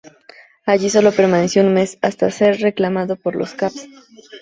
Allí sólo permaneció un mes, hasta ser reclamado por los Cavs.